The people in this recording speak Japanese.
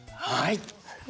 はい！